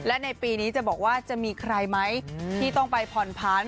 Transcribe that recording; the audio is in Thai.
และในปีนี้จะบอกว่าจะมีใครไหมที่ต้องไปผ่อนพันธุ์